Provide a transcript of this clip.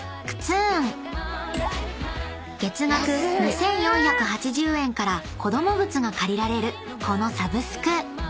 ［月額２，４８０円から子ども靴が借りられるこのサブスク］